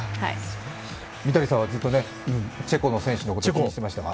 三谷さんはずっとチェコの選手のことを気にしていましたが。